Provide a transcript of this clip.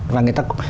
và người ta có